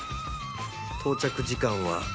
到着時間は。